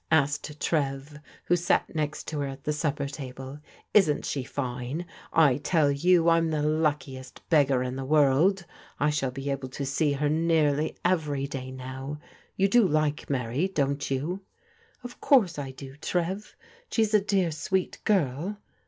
'* asked Trev, who sat next to her at the supper table. "Isn't she fine? I tell you I'm the luckiest beggar in the world. I shall be able to see her nearly every day now. You do like Mary^ don't you ?"" Of course I do, Trev; she's a dear, sweet girl."